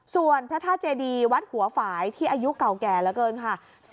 ส่วนพระธาตุเจดีวัดหัวฝ่ายที่อายุเก่าแก่เหลือเกินค่ะ